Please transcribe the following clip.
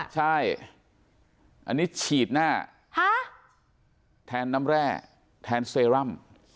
ใช่อันนี้ฉีดหน้าแทนน้ำแร่แทนเซรั่ม